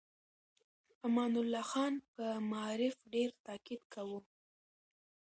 امان الله خان په معارف ډېر تاکيد کاوه.